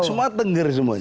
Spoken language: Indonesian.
semua denger semuanya